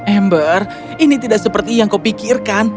ember ini tidak seperti yang kau pikirkan